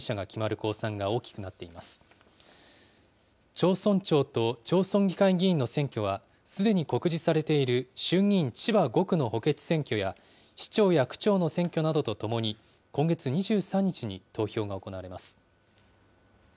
町村長と町村議会議員の選挙は、すでに告示されている衆議院千葉５区の補欠選挙や、市長や区長の選挙などとともに、今月２３日に投票が行われます。